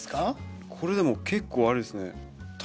これでも結構あれですね。